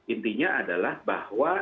intinya adalah bahwa